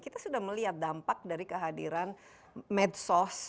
kita sudah melihat dampak dari kehadiran medsos